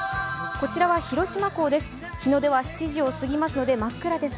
こちらは広島港です。